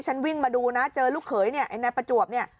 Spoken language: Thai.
วิ่งมาดูนะเจอลูกเขยเนี่ยไอ้นายประจวบเนี่ย